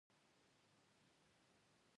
راسه! لږ تکرار وکو.